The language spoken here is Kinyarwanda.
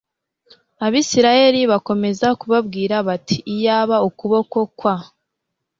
Abisirayeli bakomeza kubabwira bati iyaba ukuboko kwa